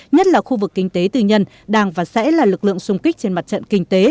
nhất là khu vực kinh tế tư nhân đang và sẽ là lực lượng xung kích trên mặt trận kinh tế